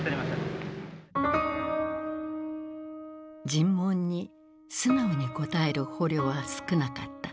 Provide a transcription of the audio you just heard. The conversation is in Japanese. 尋問に素直に答える捕虜は少なかった。